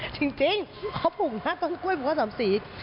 จริงเขาผุกมาท้องกล้วยผักสามสี